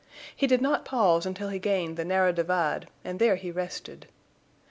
He did not pause until he gained the narrow divide and there he rested.